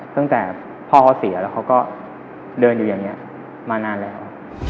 ตั้งแต่พ่อเขาเสียแล้วเขาก็เดินอยู่อย่างนี้มานานแล้ว